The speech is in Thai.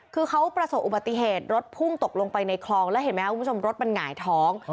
คือเขาประสบอุบัติเหตุรถพุ่งตกลงไปในคลองแล้วเห็นไหมครับคุณผู้ชมรถมันหงายท้อง